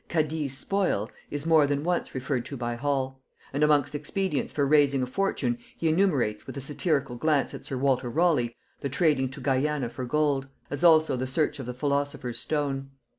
"Cadiz spoil" is more than once referred to by Hall; and amongst expedients for raising a fortune he enumerates, with a satirical glance at sir Walter Raleigh, the trading to Guiana for gold; as also the search of the philosopher's stone.